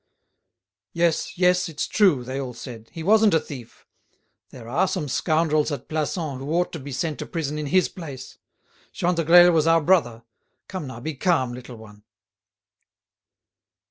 "Yes, yes, it's true!" they all said. "He wasn't a thief. There are some scoundrels at Plassans who ought to be sent to prison in his place. Chantegreil was our brother. Come, now, be calm, little one."